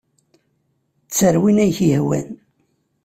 Tter win ay ak-yehwan.